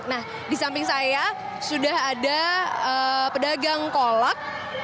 nah di samping saya sudah ada pedagang kolak